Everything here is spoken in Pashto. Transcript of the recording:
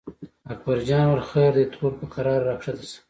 اکبر جان وویل: خیر دی ترور په کراره راکښته شه.